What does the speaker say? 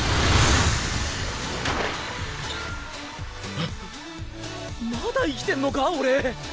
えっまだ生きてんのか⁉俺。